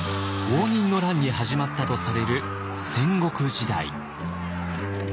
応仁の乱に始まったとされる戦国時代。